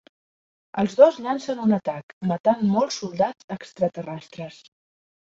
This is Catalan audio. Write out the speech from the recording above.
Els dos llancen un atac, matant molts soldats extraterrestres.